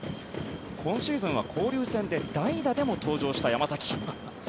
今シーズンは交流戦で代打でも登場した山崎。